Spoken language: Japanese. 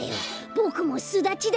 ボクもすだちだ。